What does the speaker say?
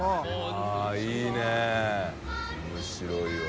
◆舛いいね面白いわ。